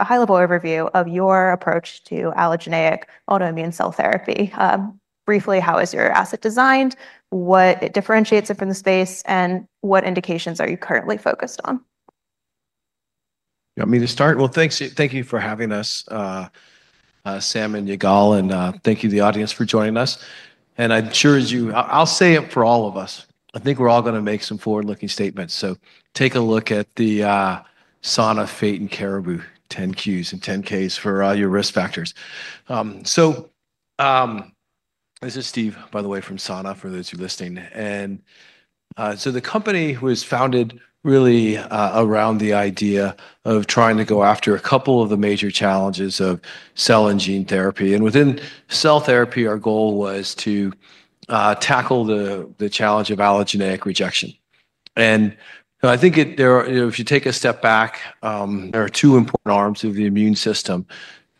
A high-level overview of your approach to allogeneic autoimmune cell therapy. Briefly, how is your asset designed, what differentiates it from the space, and what indications are you currently focused on? Yeah, I mean, to start, well, thank you for having us, Sam and Yigal, and thank you to the audience for joining us. And I'm sure as you and I'll say it for all of us. I think we're all going to make some forward-looking statements. So take a look at the Sana, Fate, and Caribou 10-Qs and 10-Ks for all your risk factors. So this is Steve, by the way, from Sana for those who are listening. And so the company was founded really around the idea of trying to go after a couple of the major challenges of cell and gene therapy. And within cell therapy, our goal was to tackle the challenge of allogeneic rejection. And I think if you take a step back, there are two important arms of the immune system.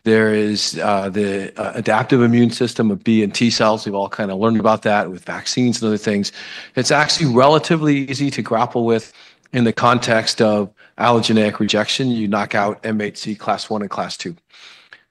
There is the adaptive immune system of B and T cells. We've all kind of learned about that with vaccines and other things. It's actually relatively easy to grapple with in the context of allogeneic rejection. You knock out MHC class I and class II.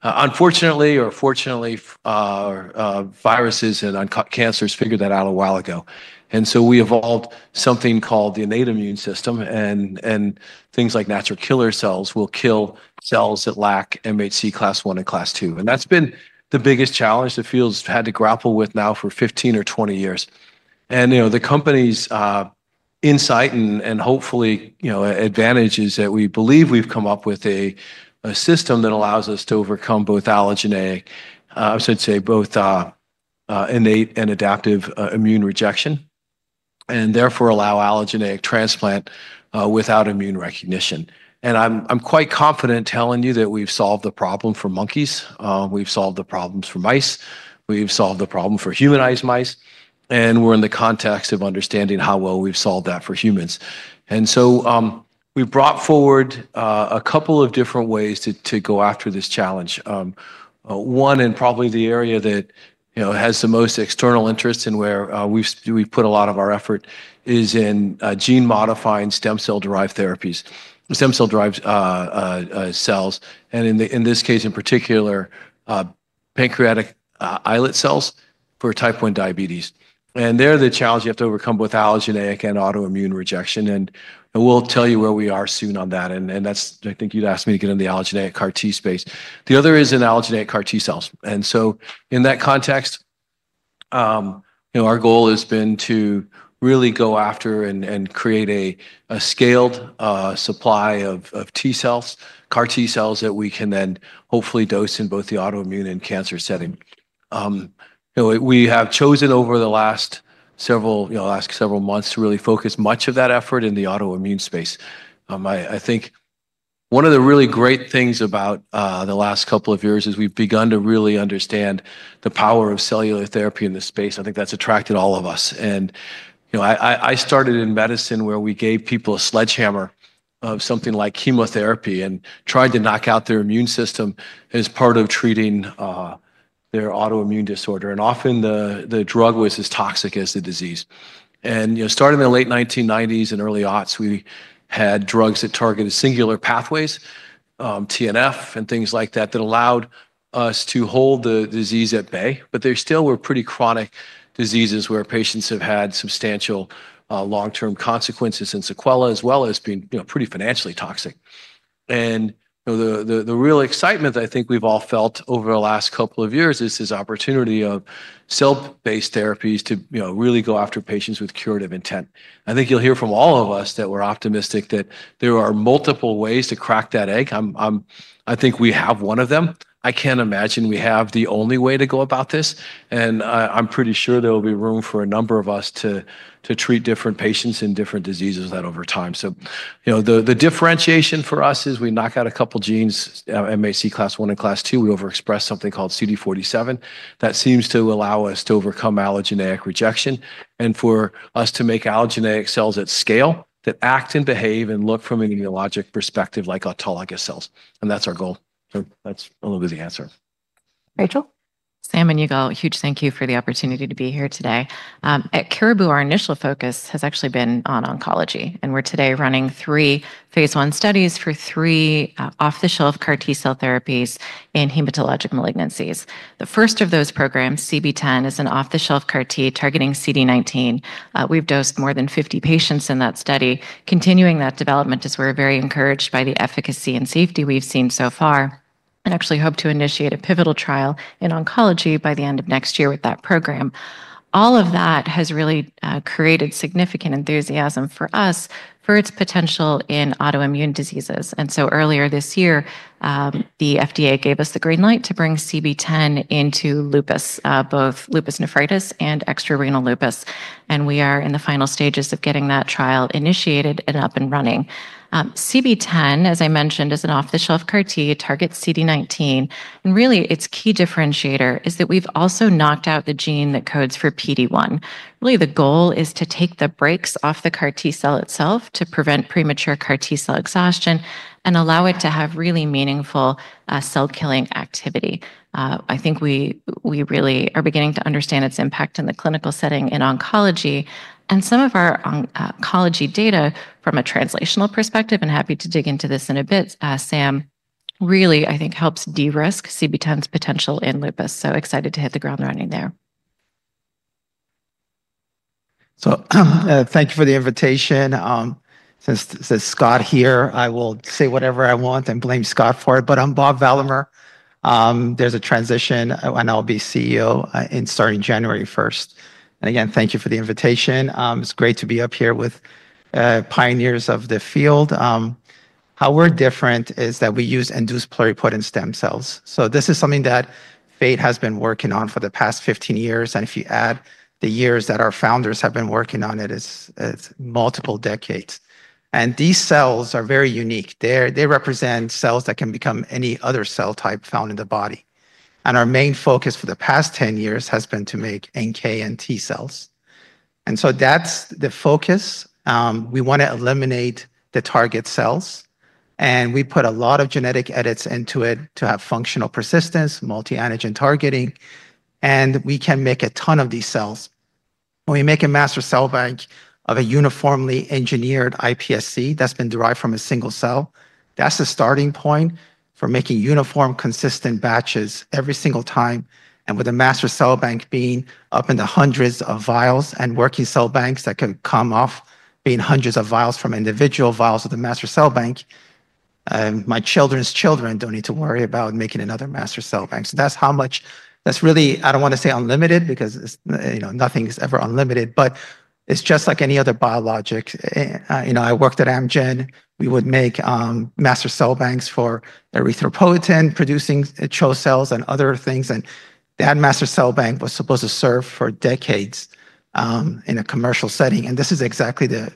Unfortunately or fortunately, viruses and cancers figured that out a while ago. And so we evolved something called the innate immune system. And things like natural killer cells will kill cells that lack MHC class I and class II. And that's been the biggest challenge the field's had to grapple with now for 15 or 20 years. And the company's insight and hopefully advantage is that we believe we've come up with a system that allows us to overcome both allogeneic, I should say both innate and adaptive immune rejection, and therefore allow allogeneic transplant without immune recognition. And I'm quite confident telling you that we've solved the problem for monkeys. We've solved the problems for mice. We've solved the problem for humanized mice and we're in the context of understanding how well we've solved that for humans. And so we've brought forward a couple of different ways to go after this challenge. One, and probably the area that has the most external interest and where we've put a lot of our effort, is in gene-modifying stem cell-derived therapies, stem cell-derived cells, and in this case in particular, pancreatic islet cells for Type 1 diabetes, and they're the challenge you have to overcome with allogeneic and autoimmune rejection, and we'll tell you where we are soon on that, and I think you'd asked me to get into the allogeneic CAR T space. The other is in allogeneic CAR T cells. In that context, our goal has been to really go after and create a scaled supply of T cells, CAR T cells that we can then hopefully dose in both the autoimmune and cancer setting. We have chosen over the last several months to really focus much of that effort in the autoimmune space. I think one of the really great things about the last couple of years is we've begun to really understand the power of cellular therapy in this space. I think that's attracted all of us. I started in medicine where we gave people a sledgehammer of something like chemotherapy and tried to knock out their immune system as part of treating their autoimmune disorder. Often the drug was as toxic as the disease. Starting in the late 1990s and early aughts, we had drugs that targeted singular pathways, TNF and things like that, that allowed us to hold the disease at bay. There still were pretty chronic diseases where patients have had substantial long-term consequences and sequelae, as well as being pretty financially toxic. The real excitement that I think we've all felt over the last couple of years is this opportunity of cell-based therapies to really go after patients with curative intent. I think you'll hear from all of us that we're optimistic that there are multiple ways to crack that egg. I think we have one of them. I can't imagine we have the only way to go about this. I'm pretty sure there will be room for a number of us to treat different patients and different diseases that over time. So the differentiation for us is we knock out a couple of genes, MHC class I and MHC class II. We overexpress something called CD47. That seems to allow us to overcome allogeneic rejection and for us to make allogeneic cells at scale that act and behave and look from an immunologic perspective like autologous cells. And that's our goal. So that's a little bit of the answer. Rachel? Sam and Yigal, huge thank you for the opportunity to be here today. At Caribou, our initial focus has actually been on oncology. And we're today running three phase I studies for three off-the-shelf CAR T cell therapies in hematologic malignancies. The first of those programs, CB-010, is an off-the-shelf CAR T targeting CD19. We've dosed more than 50 patients in that study, continuing that development as we're very encouraged by the efficacy and safety we've seen so far. And actually hope to initiate a pivotal trial in oncology by the end of next year with that program. All of that has really created significant enthusiasm for us for its potential in autoimmune diseases. And so earlier this year, the FDA gave us the green light to bring CB-010 into lupus, both lupus nephritis and extra-renal lupus. We are in the final stages of getting that trial initiated and up and running. CB-010, as I mentioned, is an off-the-shelf CAR T target CD19. Really, its key differentiator is that we've also knocked out the gene that codes for PD-1. Really, the goal is to take the brakes off the CAR T cell itself to prevent premature CAR T cell exhaustion and allow it to have really meaningful cell-killing activity. I think we really are beginning to understand its impact in the clinical setting in oncology. Some of our oncology data from a translational perspective, and happy to dig into this in a bit, Sam, really, I think, helps de-risk CB-010's potential in lupus. Excited to hit the ground running there. Thanks for the invitation. Since Scott is not here, I will say whatever I want and blame Scott for it. But I'm Bob Valamehr. There's a transition, and I'll be CEO starting January 1st. And again, thank you for the invitation. It's great to be up here with pioneers of the field. How we're different is that we use induced pluripotent stem cells. So this is something that Fate has been working on for the past 15 years. And if you add the years that our founders have been working on, it's multiple decades. And these cells are very unique. They represent cells that can become any other cell type found in the body. And our main focus for the past 10 years has been to make NK and T cells. And so that's the focus. We want to eliminate the target cells. We put a lot of genetic edits into it to have functional persistence and multi-antigen targeting. We can make a ton of these cells. When we make a master cell bank of a uniformly engineered iPSC that's been derived from a single cell, that's a starting point for making uniform, consistent batches every single time. With a master cell bank being up in the hundreds of vials and working cell banks that can come off being hundreds of vials from individual vials of the master cell bank, my children's children don't need to worry about making another master cell bank. That's how much that's really. I don't want to say unlimited because nothing is ever unlimited. It's just like any other biologic. I worked at Amgen. We would make master cell banks for erythropoietin-producing CHO cells and other things. That master cell bank was supposed to serve for decades in a commercial setting. And this is exactly the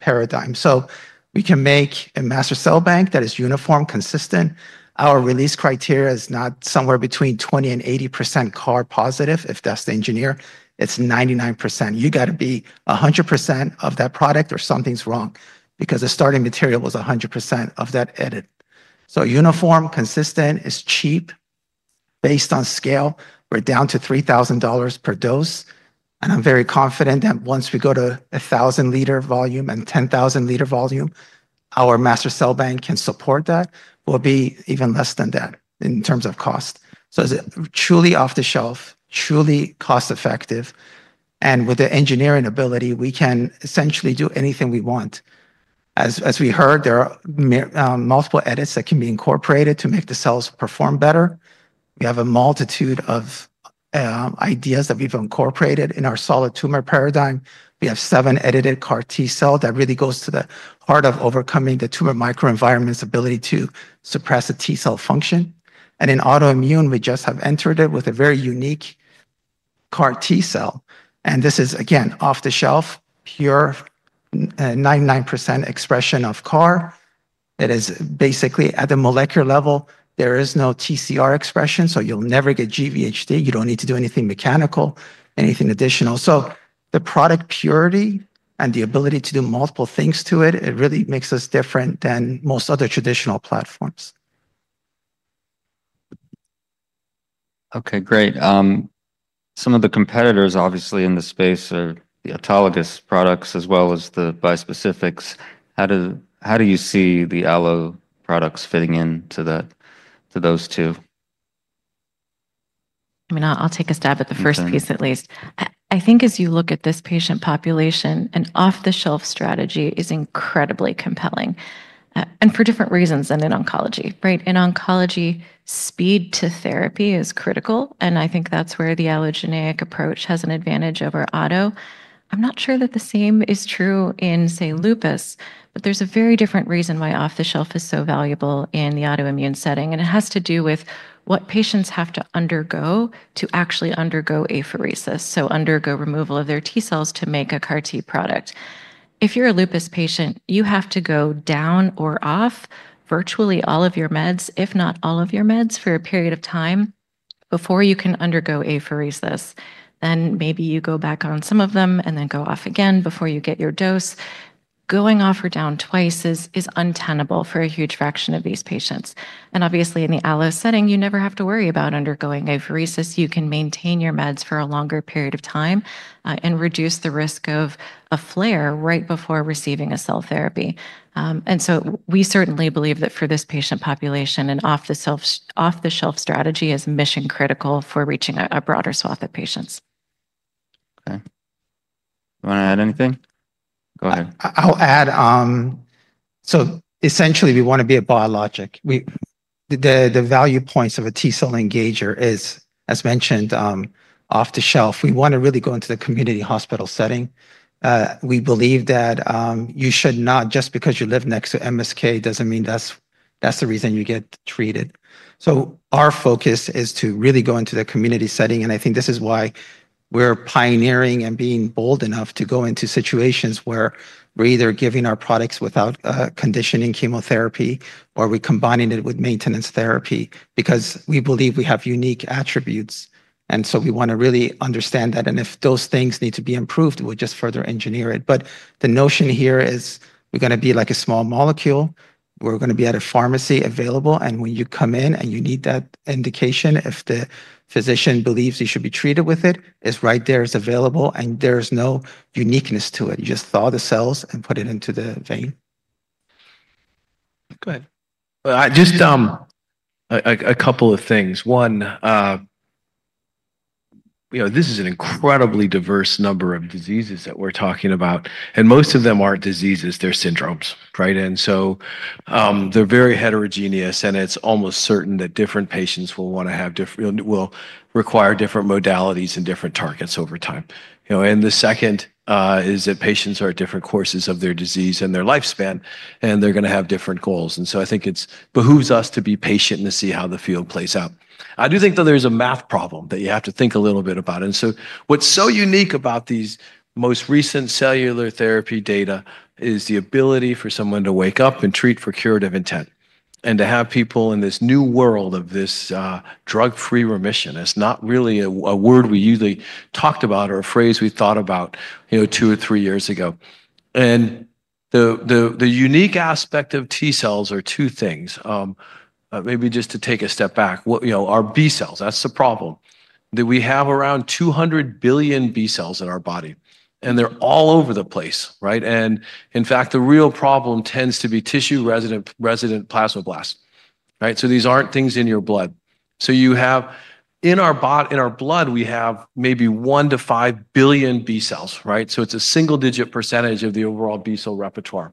paradigm. So we can make a master cell bank that is uniform, consistent. Our release criteria is not somewhere between 20% and 80% CAR positive, if that's the engineer. It's 99%. You got to be 100% of that product or something's wrong because the starting material was 100% of that edit. So uniform, consistent is cheap. Based on scale, we're down to $3,000 per dose. And I'm very confident that once we go to 1,000-liter volume and 10,000-liter volume, our master cell bank can support that. We'll be even less than that in terms of cost. So it's truly off the shelf, truly cost-effective. And with the engineering ability, we can essentially do anything we want. As we heard, there are multiple edits that can be incorporated to make the cells perform better. We have a multitude of ideas that we've incorporated in our solid tumor paradigm. We have seven edited CAR T cells that really goes to the heart of overcoming the tumor microenvironment's ability to suppress the T cell function, and in autoimmune, we just have entered it with a very unique CAR T cell. And this is, again, off the shelf, pure 99% expression of CAR. It is basically at the molecular level. There is no TCR expression, so you'll never get GVHD. You don't need to do anything mechanical, anything additional, so the product purity and the ability to do multiple things to it really makes us different than most other traditional platforms. Okay, great. Some of the competitors, obviously, in the space are the autologous products as well as the bispecifics. How do you see the allo products fitting into those two? I mean, I'll take a stab at the first piece at least. I think as you look at this patient population, an off-the-shelf strategy is incredibly compelling. And for different reasons than in oncology, right? In oncology, speed to therapy is critical. And I think that's where the allogeneic approach has an advantage over auto. I'm not sure that the same is true in, say, lupus, but there's a very different reason why off-the-shelf is so valuable in the autoimmune setting. And it has to do with what patients have to undergo to actually undergo apheresis, so undergo removal of their T cells to make a CAR T product. If you're a lupus patient, you have to go down or off virtually all of your meds, if not all of your meds, for a period of time before you can undergo apheresis. Then maybe you go back on some of them and then go off again before you get your dose. Going off or down twice is untenable for a huge fraction of these patients. And obviously, in the allo setting, you never have to worry about undergoing apheresis. You can maintain your meds for a longer period of time and reduce the risk of a flare right before receiving a cell therapy. And so we certainly believe that for this patient population, an off-the-shelf strategy is mission critical for reaching a broader swath of patients. Okay. You want to add anything? Go ahead. I'll add. So essentially, we want to be a biologic. The value points of a T cell engager is, as mentioned, off-the-shelf. We want to really go into the community hospital setting. We believe that you should not just because you live next to MSK doesn't mean that's the reason you get treated. So our focus is to really go into the community setting. And I think this is why we're pioneering and being bold enough to go into situations where we're either giving our products without conditioning chemotherapy or we're combining it with maintenance therapy because we believe we have unique attributes. And so we want to really understand that. And if those things need to be improved, we'll just further engineer it. But the notion here is we're going to be like a small molecule. We're going to be at a pharmacy available. And when you come in and you need that indication, if the physician believes you should be treated with it, it's right there. It's available. And there is no uniqueness to it. You just thaw the cells and put it into the vein. Go ahead. Just a couple of things. One, this is an incredibly diverse number of diseases that we're talking about. And most of them aren't diseases. They're syndromes, right? And so they're very heterogeneous. And it's almost certain that different patients will require different modalities and different targets over time. And the second is that patients are at different courses of their disease and their lifespan. And they're going to have different goals. And so I think it behooves us to be patient and to see how the field plays out. I do think that there's a math problem that you have to think a little bit about. And so what's so unique about these most recent cellular therapy data is the ability for someone to wake up and treat for curative intent and to have people in this new world of this drug-free remission. It's not really a word we usually talked about or a phrase we thought about two or three years ago. And the unique aspect of T cells are two things. Maybe just to take a step back, our B cells, that's the problem. We have around 200 billion B cells in our body. And they're all over the place, right? And in fact, the real problem tends to be tissue-resident plasma blasts, right? So these aren't things in your blood. So in our blood, we have maybe one to five billion B cells, right? So it's a single-digit percentage of the overall B cell repertoire.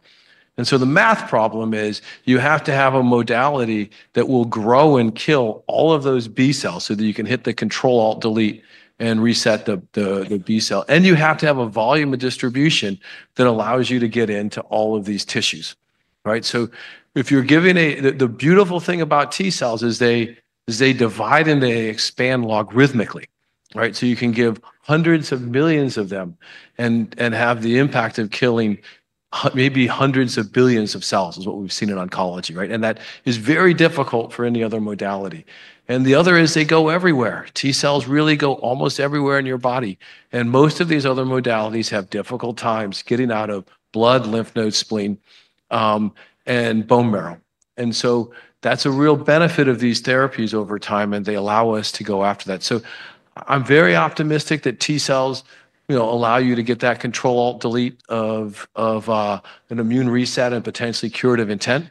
And so the math problem is you have to have a modality that will grow and kill all of those B cells so that you can hit the control, alt, delete and reset the B cell. And you have to have a volume of distribution that allows you to get into all of these tissues, right? So if you're giving the beautiful thing about T cells is they divide and they expand logarithmically, right? So you can give hundreds of millions of them and have the impact of killing maybe hundreds of billions of cells is what we've seen in oncology, right? And that is very difficult for any other modality. And the other is they go everywhere. T cells really go almost everywhere in your body. And most of these other modalities have difficult times getting out of blood, lymph nodes, spleen, and bone marrow. And so that's a real benefit of these therapies over time. And they allow us to go after that. I'm very optimistic that T cells allow you to get that control alt delete of an immune reset and potentially curative intent.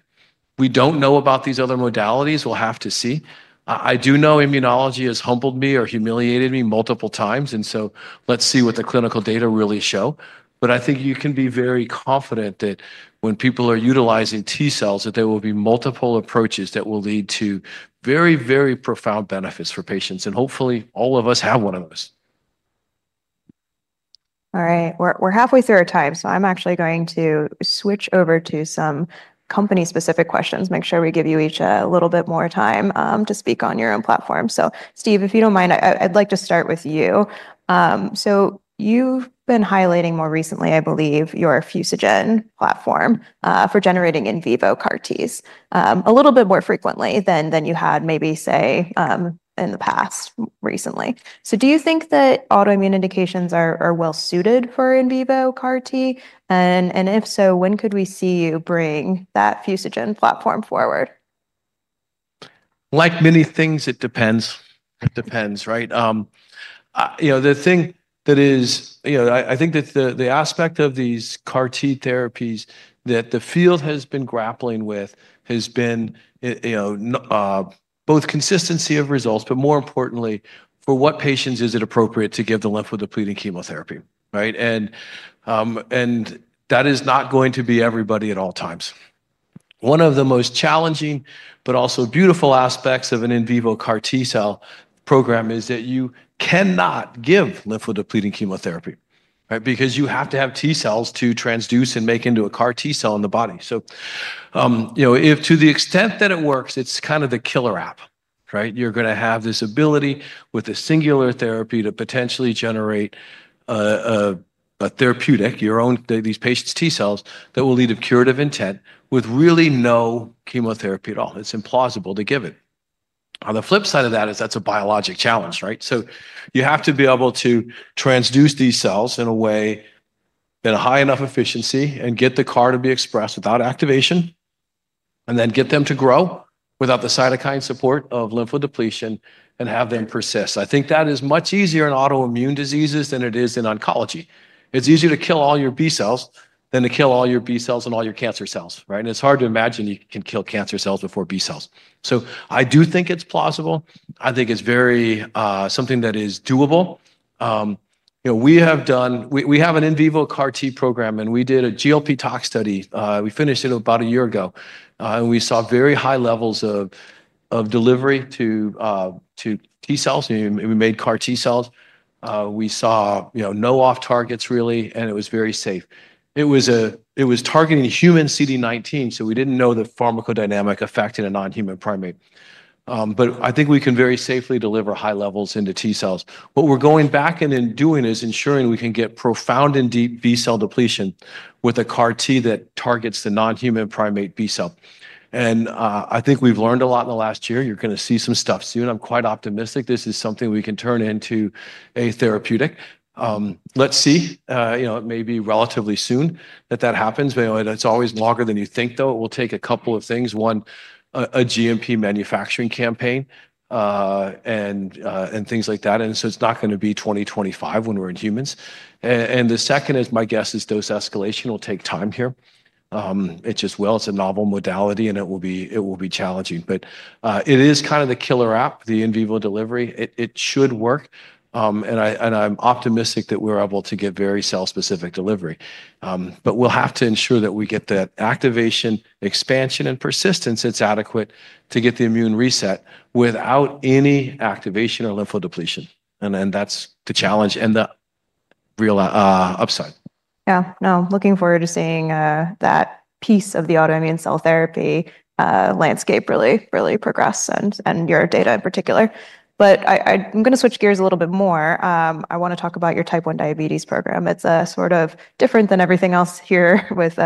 We don't know about these other modalities. We'll have to see. I do know immunology has humbled me or humiliated me multiple times. And so let's see what the clinical data really show. But I think you can be very confident that when people are utilizing T cells, that there will be multiple approaches that will lead to very, very profound benefits for patients. And hopefully, all of us have one of those. All right. We're halfway through our time. So I'm actually going to switch over to some company-specific questions, make sure we give you each a little bit more time to speak on your own platform. So Steve, if you don't mind, I'd like to start with you. So you've been highlighting more recently, I believe, your Fusogen platform for generating in vivo CAR Ts a little bit more frequently than you had maybe, say, in the past recently. So do you think that autoimmune indications are well-suited for in vivo CAR T? And if so, when could we see you bring that Fusogen platform forward? Like many things, it depends. It depends, right? The thing that is I think that the aspect of these CAR T therapies that the field has been grappling with has been both consistency of results, but more importantly, for what patients is it appropriate to give the lymphodepleting chemotherapy, right? And that is not going to be everybody at all times. One of the most challenging, but also beautiful aspects of an in vivo CAR T cell program is that you cannot give lymphodepleting chemotherapy because you have to have T cells to transduce and make into a CAR T cell in the body. So to the extent that it works, it's kind of the killer app, right? You're going to have this ability with a singular therapy to potentially generate a therapeutic, your own, these patients' T cells that will lead to curative intent with really no chemotherapy at all. It's implausible to give it. On the flip side of that is that's a biological challenge, right? So you have to be able to transduce these cells in a way that has high enough efficiency and get the CAR to be expressed without activation and then get them to grow without the cytokine support of lymphodepletion and have them persist. I think that is much easier in autoimmune diseases than it is in oncology. It's easier to kill all your B cells than to kill all your B cells and all your cancer cells, right? And it's hard to imagine you can kill cancer cells before B cells. So I do think it's plausible. I think it's something that is doable. We have an in vivo CAR T program, and we did a GLP-tox study. We finished it about a year ago, and we saw very high levels of delivery to T cells. We made CAR T cells. We saw no off targets, really, and it was very safe. It was targeting human CD19, so we didn't know the pharmacodynamic effect in a non-human primate. But I think we can very safely deliver high levels into T cells. What we're going back and doing is ensuring we can get profound and deep B cell depletion with a CAR T that targets the non-human primate B cell. And I think we've learned a lot in the last year. You're going to see some stuff soon. I'm quite optimistic. This is something we can turn into a therapeutic. Let's see. It may be relatively soon that that happens. But it's always longer than you think, though. It will take a couple of things. One, a GMP manufacturing campaign and things like that. And so it's not going to be 2025 when we're in humans. And the second is my guess is dose escalation will take time here. It just, well, it's a novel modality. And it will be challenging. But it is kind of the killer app, the in vivo delivery. It should work. And I'm optimistic that we're able to get very cell-specific delivery. But we'll have to ensure that we get that activation, expansion, and persistence that's adequate to get the immune reset without any activation or lymphodepletion. And then that's the challenge and the real upside. Yeah. No, looking forward to seeing that piece of the autoimmune cell therapy landscape really, really progress and your data in particular. But I'm going to switch gears a little bit more. I want to talk about your Type 1 diabetes program. It's sort of different than everything else here with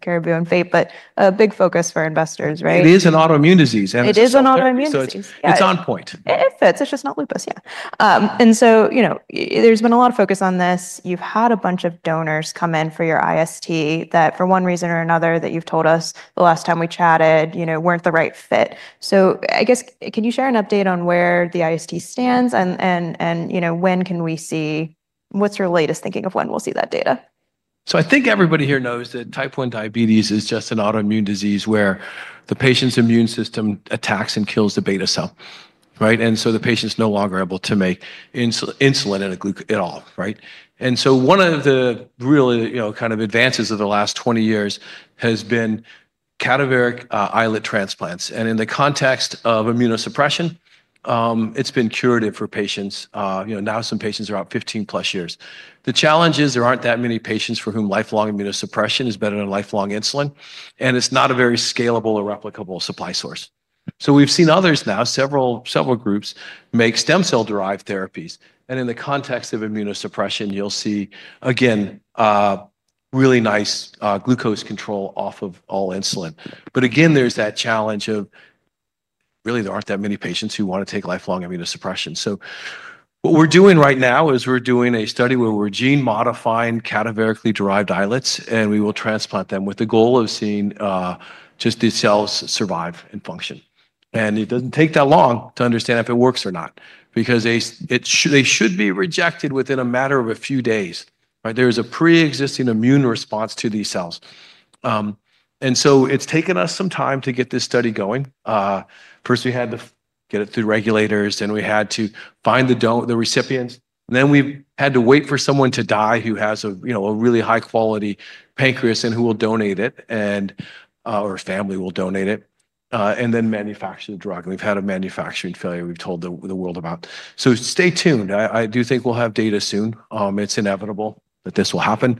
Caribou and Fate, but a big focus for investors, right? It is an autoimmune disease. It is an autoimmune disease. It's on point. It fits. It's just not lupus, yeah. And so there's been a lot of focus on this. You've had a bunch of donors come in for your IST that, for one reason or another, that you've told us the last time we chatted weren't the right fit. So I guess, can you share an update on where the IST stands? And when can we see and what's your latest thinking of when we'll see that data? I think everybody here knows that Type 1 diabetes is just an autoimmune disease where the patient's immune system attacks and kills the beta cell, right? And so the patient's no longer able to make insulin at all, right? And so one of the real kind of advances of the last 20 years has been cadaveric islet transplants. And in the context of immunosuppression, it's been curative for patients. Now some patients are about 15+ years. The challenge is there aren't that many patients for whom lifelong immunosuppression is better than lifelong insulin. And it's not a very scalable or replicable supply source. So we've seen others now, several groups make stem cell-derived therapies. And in the context of immunosuppression, you'll see, again, really nice glucose control off of all insulin. But again, there's that challenge of really there aren't that many patients who want to take lifelong immunosuppression. What we're doing right now is we're doing a study where we're gene-modifying cadaverically-derived islets. We will transplant them with the goal of seeing just these cells survive and function. It doesn't take that long to understand if it works or not because they should be rejected within a matter of a few days. There is a pre-existing immune response to these cells. It's taken us some time to get this study going. First, we had to get it through regulators. We had to find the recipients. We had to wait for someone to die who has a really high-quality pancreas and who will donate it or family will donate it and then manufacture the drug. We've had a manufacturing failure we've told the world about. Stay tuned. I do think we'll have data soon. It's inevitable that this will happen.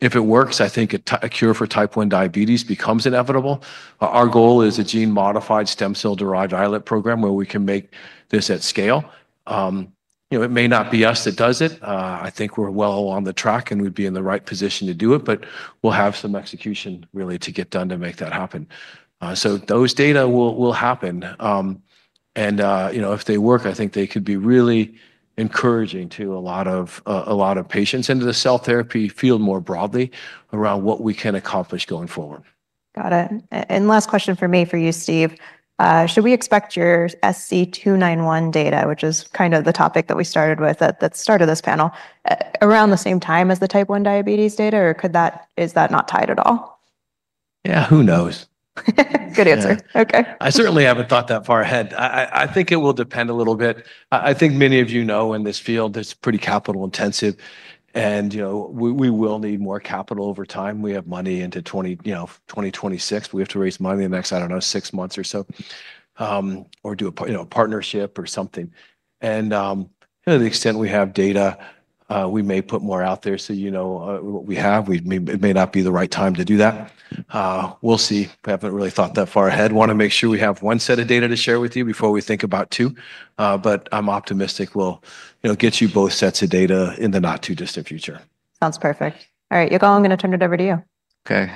If it works, I think a cure for Type 1 diabetes becomes inevitable. Our goal is a gene-modified stem cell-derived islet program where we can make this at scale. It may not be us that does it. I think we're well on the track and we'd be in the right position to do it. But we'll have some execution really to get done to make that happen. So those data will happen. And if they work, I think they could be really encouraging to a lot of patients and to the cell therapy field more broadly around what we can accomplish going forward. Got it. And last question for me for you, Steve. Should we expect your SC291 data, which is kind of the topic that we started with at the start of this panel, around the same time as the type 1 diabetes data? Or is that not tied at all? Yeah, who knows? Good answer. Okay. I certainly haven't thought that far ahead. I think it will depend a little bit. I think many of you know, in this field, it's pretty capital-intensive, and we will need more capital over time. We have money into 2026. We have to raise money in the next, I don't know, six months or so or do a partnership or something, and to the extent we have data, we may put more out there, so you know what we have, it may not be the right time to do that. We'll see. We haven't really thought that far ahead, want to make sure we have one set of data to share with you before we think about two, but I'm optimistic we'll get you both sets of data in the not-too-distant future. Sounds perfect. All right. Yigal, I'm going to turn it over to you. Okay.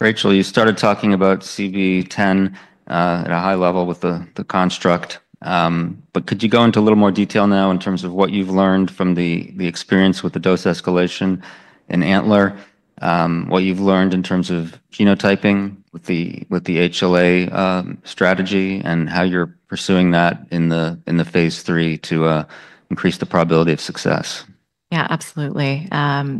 Rachel, you started talking about CB-010 at a high level with the construct. But could you go into a little more detail now in terms of what you've learned from the experience with the dose escalation in ANTLER, what you've learned in terms of genotyping with the HLA strategy, and how you're pursuing that in the phase III to increase the probability of success? Yeah, absolutely,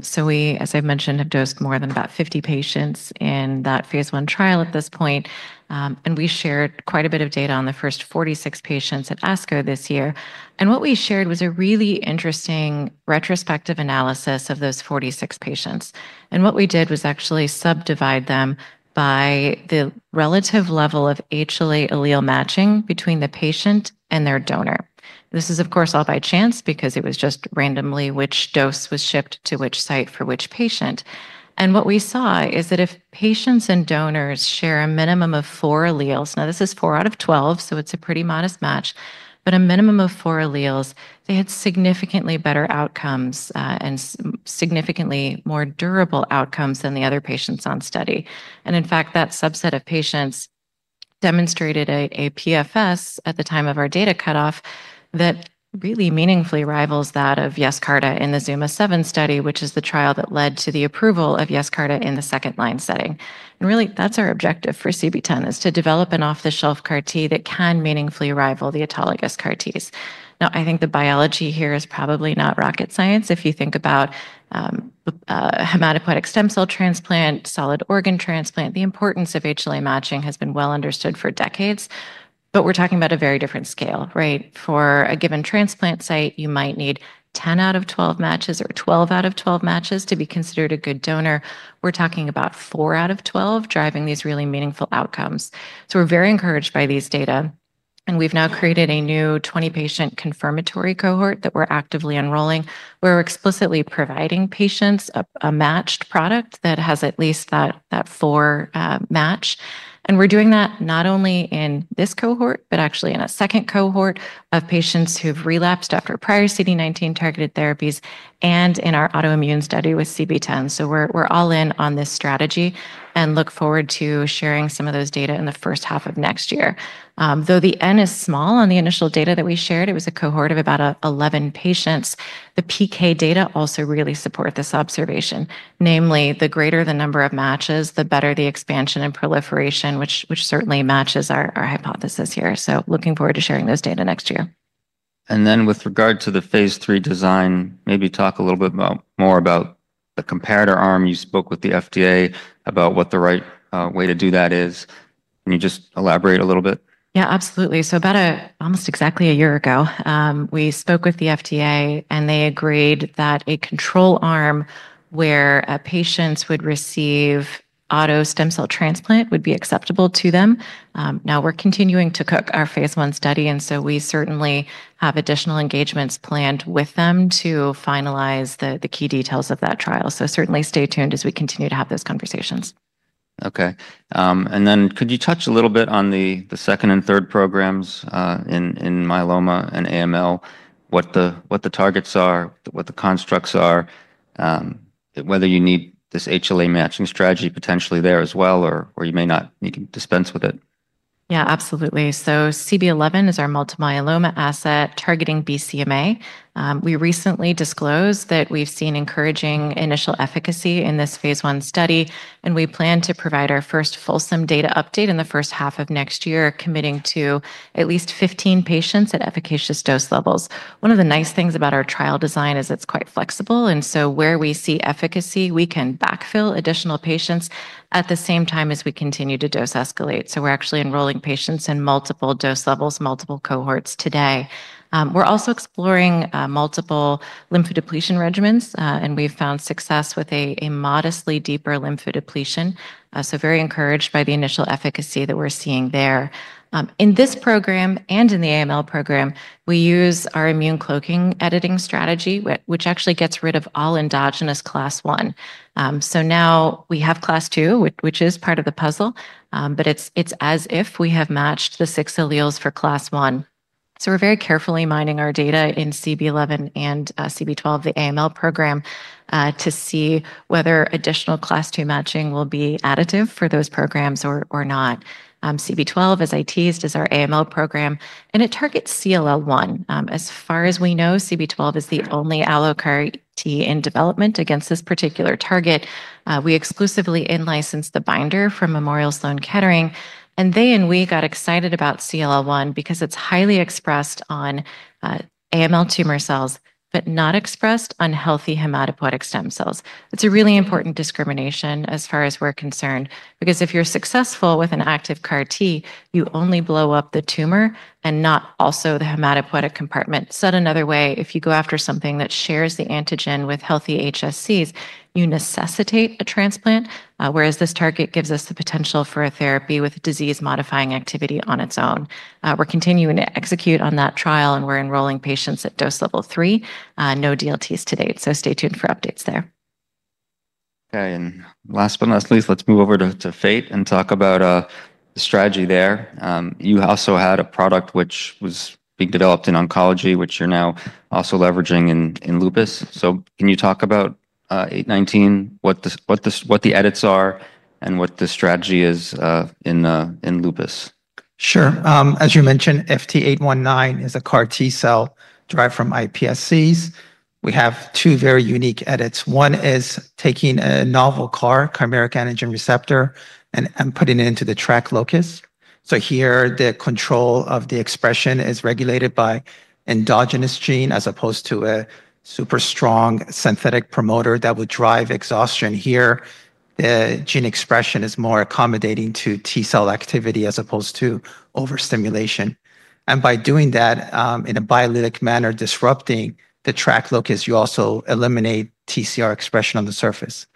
so we, as I've mentioned, have dosed more than about 50 patients in that phase I trial at this point, and we shared quite a bit of data on the first 46 patients at ASCO this year, and what we shared was a really interesting retrospective analysis of those 46 patients, and what we did was actually subdivide them by the relative level of HLA allele matching between the patient and their donor. This is, of course, all by chance because it was just randomly which dose was shipped to which site for which patient, and what we saw is that if patients and donors share a minimum of four alleles, now this is four out of 12, so it's a pretty modest match but a minimum of four alleles, they had significantly better outcomes and significantly more durable outcomes than the other patients on the study. In fact, that subset of patients demonstrated a PFS at the time of our data cutoff that really meaningfully rivals that of Yescarta in the ZUMA-7 study, which is the trial that led to the approval of Yescarta in the second-line setting and really, that's our objective for CB-010 is to develop an off-the-shelf CAR T that can meaningfully rival the autologous CAR Ts. Now, I think the biology here is probably not rocket science. If you think about hematopoietic stem cell transplant, solid organ transplant, the importance of HLA matching has been well understood for decades. We're talking about a very different scale, right? For a given transplant site, you might need 10 out of 12 matches or 12 out of 12 matches to be considered a good donor. We're talking about four out of 12 driving these really meaningful outcomes. So we're very encouraged by these data. And we've now created a new 20-patient confirmatory cohort that we're actively enrolling. We're explicitly providing patients a matched product that has at least that four match. And we're doing that not only in this cohort, but actually in a second cohort of patients who've relapsed after prior CD19-targeted therapies and in our autoimmune study with CB-010. So we're all in on this strategy and look forward to sharing some of those data in the first half of next year. Though the N is small on the initial data that we shared, it was a cohort of about 11 patients. The PK data also really support this observation, namely, the greater the number of matches, the better the expansion and proliferation, which certainly matches our hypothesis here. So looking forward to sharing those data next year. And then with regard to the phase III design, maybe talk a little bit more about the comparator arm. You spoke with the FDA about what the right way to do that is. Can you just elaborate a little bit? Yeah, absolutely. So about almost exactly a year ago, we spoke with the FDA. And they agreed that a control arm where patients would receive auto stem cell transplant would be acceptable to them. Now, we're continuing to cook our phase I study. And so we certainly have additional engagements planned with them to finalize the key details of that trial. So certainly stay tuned as we continue to have those conversations. Okay, and then could you touch a little bit on the second and third programs in myeloma and AML, what the targets are, what the constructs are, whether you need this HLA matching strategy potentially there as well, or you may not need to dispense with it? Yeah, absolutely, so CB-011 is our multiple myeloma asset targeting BCMA. We recently disclosed that we've seen encouraging initial efficacy in this phase I study, and we plan to provide our first fulsome data update in the first half of next year, committing to at least 15 patients at efficacious dose levels. One of the nice things about our trial design is it's quite flexible, and so where we see efficacy, we can backfill additional patients at the same time as we continue to dose escalate, so we're actually enrolling patients in multiple dose levels, multiple cohorts today. We're also exploring multiple lymphodepletion regimens, and we've found success with a modestly deeper lymphodepletion, so very encouraged by the initial efficacy that we're seeing there. In this program and in the AML program, we use our immune cloaking editing strategy, which actually gets rid of all endogenous class I. Now we have class II, which is part of the puzzle. It's as if we have matched the six alleles for class I. We're very carefully mining our data in CB-011 and CB-012, the AML program, to see whether additional class two matching will be additive for those programs or not. CB-012 is our AML program. It targets CLL-1. As far as we know, CB-012 is the only allogeneic CAR T in development against this particular target. We exclusively in-license the binder from Memorial Sloan Kettering. They and we got excited about CLL-1 because it's highly expressed on AML tumor cells but not expressed on healthy hematopoietic stem cells. It's a really important discrimination as far as we're concerned because if you're successful with an active CAR T, you only blow up the tumor and not also the hematopoietic compartment. Said another way, if you go after something that shares the antigen with healthy HSCs, you necessitate a transplant, whereas this target gives us the potential for a therapy with disease-modifying activity on its own. We're continuing to execute on that trial. And we're enrolling patients at dose level three. No DLTs to date. So stay tuned for updates there. Okay. And last but not least, let's move over to Fate and talk about the strategy there. You also had a product which was being developed in oncology, which you're now also leveraging in lupus. So can you talk about 819, what the edits are and what the strategy is in lupus? Sure. As you mentioned, FT819 is a CAR T cell derived from iPSCs. We have two very unique edits. One is taking a novel CAR, chimeric antigen receptor, and putting it into the TRAC locus. So here, the control of the expression is regulated by endogenous gene as opposed to a super strong synthetic promoter that would drive exhaustion. Here, the gene expression is more accommodating to T cell activity as opposed to overstimulation. And by doing that in a biallelic manner, disrupting the TRAC locus, you also eliminate TCR expression on the surface.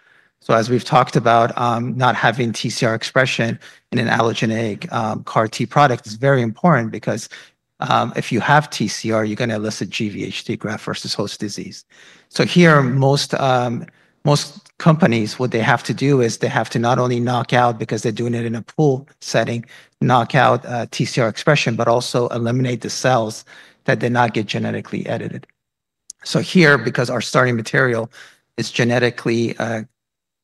So as we've talked about, not having TCR expression in an allogeneic CAR T product is very important because if you have TCR, you're going to elicit GvHD, graft-versus-host disease. So here, most companies what they have to do is they have to not only knock out, because they're doing it in a pool setting, knockout TCR expression, but also eliminate the cells that did not get genetically edited, so here, because our starting material is genetically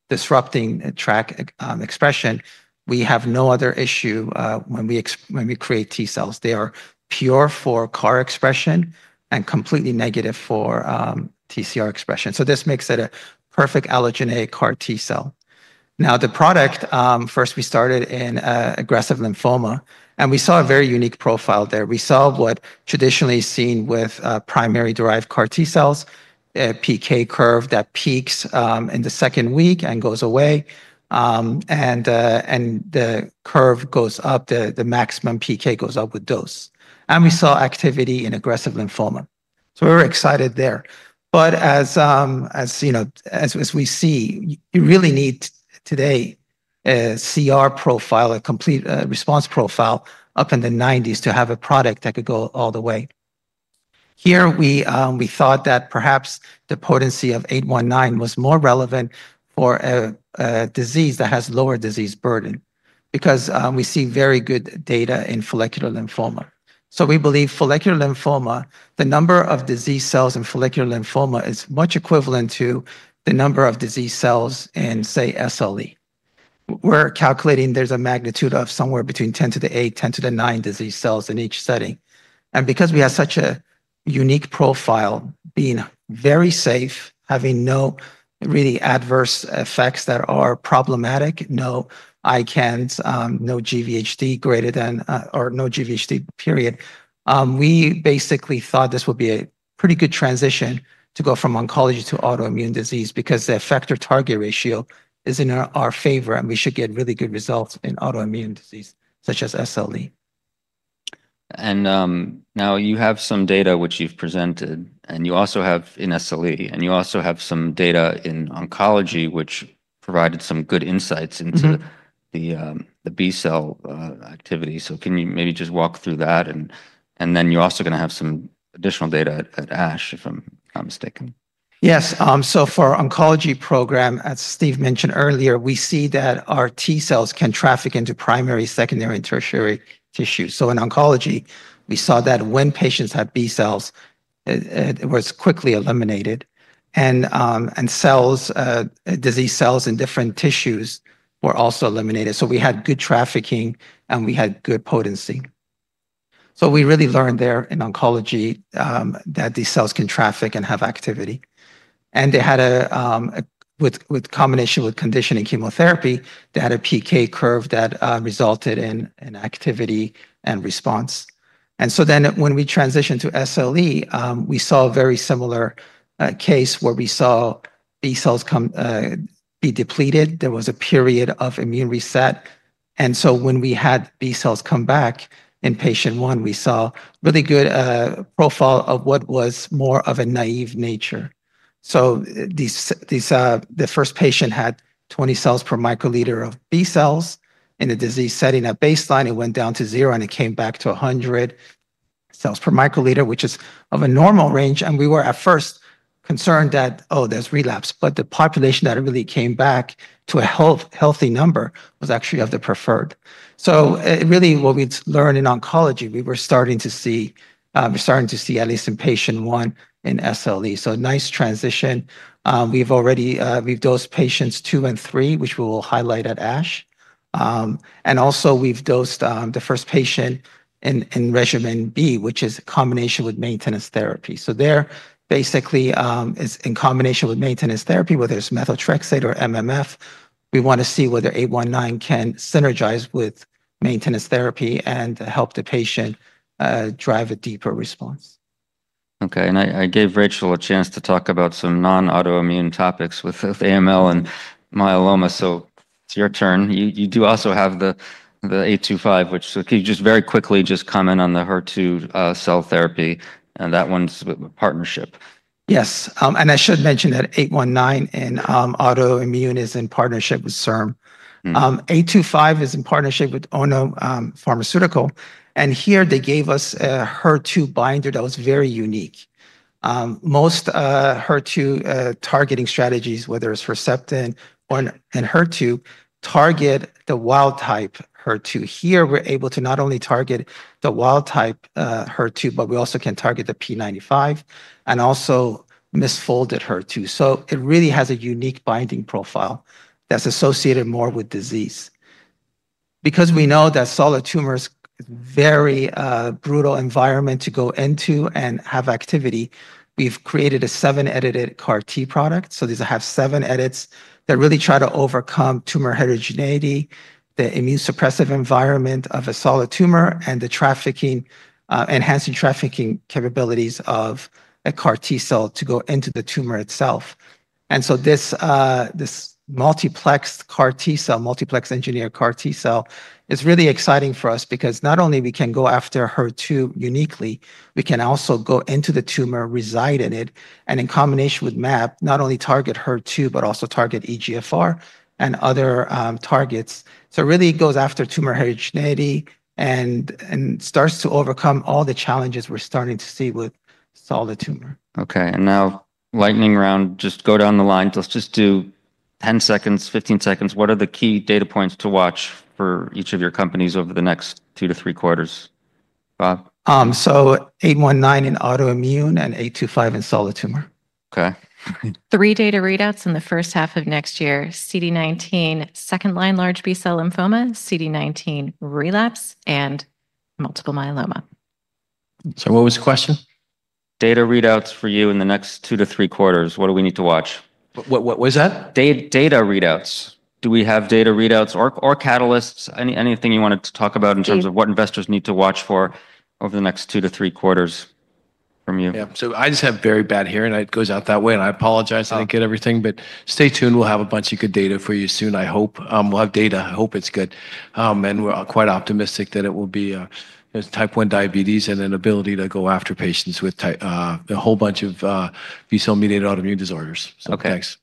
disrupting TRAC expression, we have no other issue when we create T cells. They are pure for CAR expression and completely negative for TCR expression, so this makes it a perfect allogeneic CAR T cell. Now, the product first, we started in aggressive lymphoma, and we saw a very unique profile there. We saw what traditionally is seen with primary-derived CAR T cells, a PK curve that peaks in the second week and goes away, and the curve goes up. The maximum PK goes up with dose, and we saw activity in aggressive lymphoma, so we were excited there. But as we see, you really need today a CR profile, a complete response profile up in the 90s to have a product that could go all the way. Here, we thought that perhaps the potency of 819 was more relevant for a disease that has lower disease burden because we see very good data in follicular lymphoma. So we believe follicular lymphoma, the number of disease cells in follicular lymphoma is much equivalent to the number of disease cells in, say, SLE. We're calculating there's a magnitude of somewhere between 10 to the 8, 10 to the 9 disease cells in each setting. Because we have such a unique profile, being very safe, having no really adverse effects that are problematic, no ICANS, no GVHD, period, we basically thought this would be a pretty good transition to go from oncology to autoimmune disease because the effector-target ratio is in our favor. We should get really good results in autoimmune disease such as SLE. Now you have some data which you've presented. You also have in SLE. You also have some data in oncology, which provided some good insights into the B cell activity. Can you maybe just walk through that? Then you're also going to have some additional data at ASH, if I'm not mistaken. Yes. So for our oncology program, as Steve mentioned earlier, we see that our T cells can traffic into primary, secondary, and tertiary tissue. So in oncology, we saw that when patients had B cells, it was quickly eliminated. And disease cells in different tissues were also eliminated. So we had good trafficking. And we had good potency. So we really learned there in oncology that these cells can traffic and have activity. And in combination with conditioning chemotherapy, they had a PK curve that resulted in activity and response. And so then when we transitioned to SLE, we saw a very similar case where we saw B cells be depleted. There was a period of immune reset. And so when we had B cells come back in patient one, we saw really good profile of what was more of a naive nature. The first patient had 20 cells per microliter of B cells in the disease setting at baseline. It went down to 0. And it came back to 100 cells per microliter, which is of a normal range. And we were at first concerned that, oh, there's relapse. But the population that really came back to a healthy number was actually of the preferred. So really, what we learned in oncology, we were starting to see at least in patient one in SLE. So nice transition. We've dosed patients two and three, which we will highlight at ASH. And also, we've dosed the first patient in regimen B, which is a combination with maintenance therapy. So there, basically, is in combination with maintenance therapy, whether it's methotrexate or MMF. We want to see whether 819 can synergize with maintenance therapy and help the patient drive a deeper response. Okay. And I gave Rachel a chance to talk about some non-autoimmune topics with AML and myeloma. So it's your turn. You do also have the FT825, which just very quickly just comment on the HER2 cell therapy. And that one's a partnership. Yes, and I should mention that 819 in autoimmune is in partnership with SERM. 825 is in partnership with Ono Pharmaceutical. And here, they gave us a HER2 binder that was very unique. Most HER2 targeting strategies, whether it's Herceptin or an Enhertu, target the wild type HER2. Here, we're able to not only target the wild type HER2, but we also can target the p95 and also misfolded HER2. So it really has a unique binding profile that's associated more with disease. Because we know that solid tumor is a very brutal environment to go into and have activity, we've created a seven-edited CAR T product. So these have seven edits that really try to overcome tumor heterogeneity, the immune suppressive environment of a solid tumor, and enhancing trafficking capabilities of a CAR T cell to go into the tumor itself. And so this multiplexed CAR T cell, multiplexed engineered CAR T cell, is really exciting for us because not only can we go after HER2 uniquely, we can also go into the tumor, reside in it, and in combination with mAb, not only target HER2, but also target EGFR and other targets. So it really goes after tumor heterogeneity and starts to overcome all the challenges we're starting to see with solid tumor. Okay. And now lightning round, just go down the line. Let's just do 10 seconds, 15 seconds. What are the key data points to watch for each of your companies over the next two to three quarters? Bob? FT819 in autoimmune and FT825 in solid tumor. Okay. Three data readouts in the first half of next year. CD19, second line large B cell lymphoma, CD19 relapse, and multiple myeloma. So what was the question? Data readouts for you in the next two to three quarters. What do we need to watch? What was that? Data readouts. Do we have data readouts or catalysts? Anything you wanted to talk about in terms of what investors need to watch for over the next two to three quarters from you? Yeah. So I just have very bad hearing. It goes out that way. And I apologize. I didn't get everything but stay tuned. We'll have a bunch of good data for you soon, I hope. We'll have data. I hope it's good. And we're quite optimistic that it will be Type 1 diabetes and an ability to go after patients with a whole bunch of B cell-mediated autoimmune disorders. So thanks.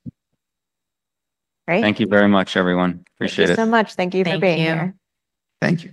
Great. Thank you very much, everyone. Appreciate it. Thank you so much. Thank you for being here. Thank you. Thank you.